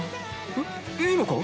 えっいいのか？